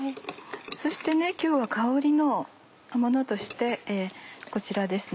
そして今日は香りのものとしてこちらですね